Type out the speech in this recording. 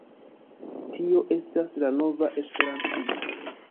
Tio estas la nova Esperantio.